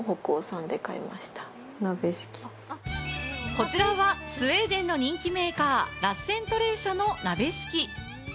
こちらはスウェーデンの人気メーカーラッセントレー社の鍋敷き。